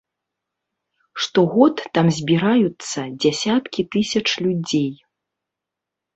Штогод там збіраюцца дзясяткі тысяч людзей.